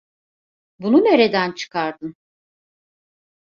Bunu nereden çıkardın?